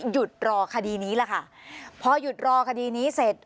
หยุดรอคดีนี้แหละค่ะพอหยุดรอคดีนี้เสร็จ